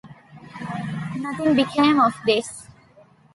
Nothing became of this.